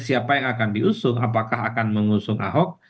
siapa yang akan diusung apakah akan mengusung ahok